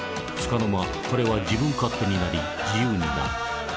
つかの間彼は自分勝手になり自由になる。